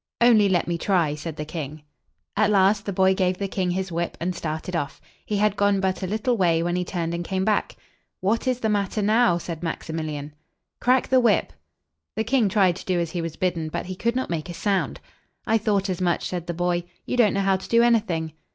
"Only let me try," said the king. At last the boy gave the king his whip, and started off. He had gone but a little way, when he turned and came back. "What is the matter now?" said Max i mil ian. "Crack the whip!" The king tried to do as he was bidden, but he could not make a sound. "I thought as much," said the boy. "You don't know how to do anything."